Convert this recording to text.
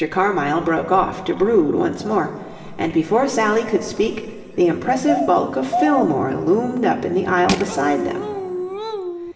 Carmyle broke off to brood once more, and before Sally could speak the impressive bulk of Fillmore loomed up in the aisle beside them.